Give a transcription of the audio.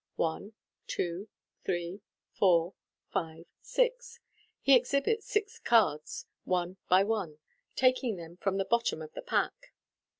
One, two, three, four, five, six." (He exhibits six cards one by one, taking them from the bottom of the pack.)